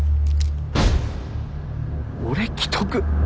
俺危篤。